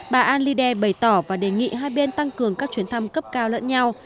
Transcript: bà anne linder bày tỏ và đề nghị hai bên tăng cường các chuyến thăm cấp cao lẫn nhau